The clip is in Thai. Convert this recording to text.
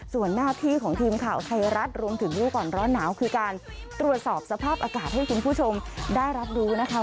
ส่วนหน้าที่ของทีมข่าวไทยรัฐรวมถึงรู้ก่อนร้อนหนาวคือการตรวจสอบสภาพอากาศให้คุณผู้ชมได้รับรู้นะคะ